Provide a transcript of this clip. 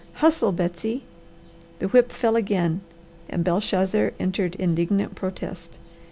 Hustle, Betsy!" The whip fell again and Belshazzar entered indignant protest.